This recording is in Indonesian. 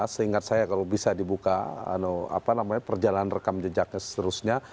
seingat saya kalau bisa dibuka perjalanan rekam jejaknya seterusnya